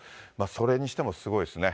それにしてもすごいですね。